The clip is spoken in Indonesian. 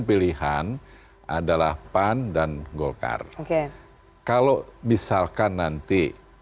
pilihan adalah pan dan golkar oke kalau misalkan nanti